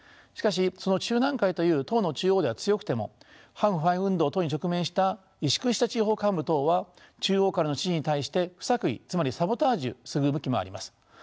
しかしその中南海という党の中央では強くても反腐敗運動等に直面した萎縮した地方幹部等は中央からの指示に対して不作為つまりサボタージュする向きもあります。